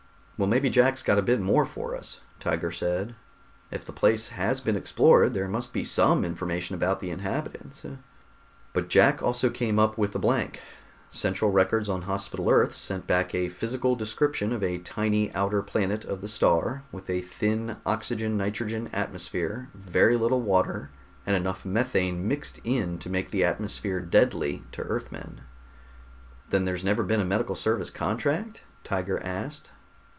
"Well, maybe Jack's got a bit more for us," Tiger said. "If the place has been explored, there must be some information about the inhabitants." But Jack also came up with a blank. Central Records on Hospital Earth sent back a physical description of a tiny outer planet of the star, with a thin oxygen nitrogen atmosphere, very little water, and enough methane mixed in to make the atmosphere deadly to Earthmen. "Then there's never been a medical service contract?" Tiger asked.